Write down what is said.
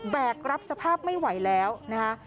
แกกรับสภาพไม่ไหวแล้วนะคะ